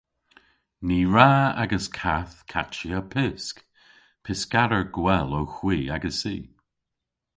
Ny wra agas kath kachya pysk. Pyskador gwell owgh hwi agessi!